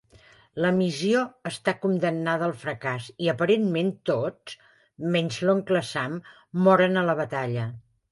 La missió està condemnada al fracàs i aparentment tots, menys l'oncle Sam, moren a la batalla.